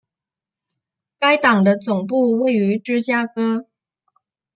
该党的总部位于芝加哥。